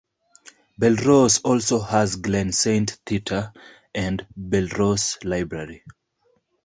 Belrose also has Glen Saint theatre, and Belrose library.